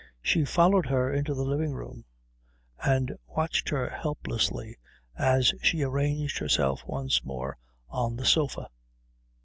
She followed her into the living room and watched her helplessly as she arranged herself once more on the sofa.